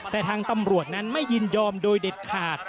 แต่ทางตำรวจนั้นไม่ยินยอมโดยเด็ดขาด